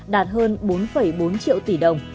đạt hơn bốn bốn triệu tỷ đồng